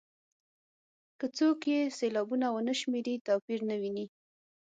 که څوک یې سېلابونه ونه شمېري توپیر نه ویني.